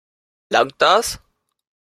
Langt das?